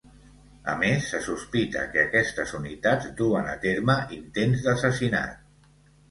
A més, se sospita que aquestes unitats duen a terme intents d'assassinat.